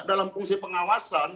dalam fungsi pengawasan